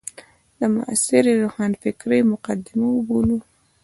د معاصرې روښانفکرۍ مقدمه وبولو.